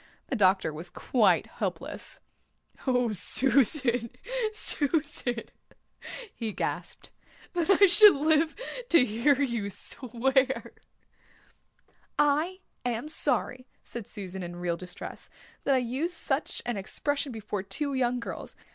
The doctor was quite helpless. "Oh, Susan, Susan," he gasped. "That I should live to hear you swear." "I am sorry," said Susan in real distress, "that I used such an expression before two young girls.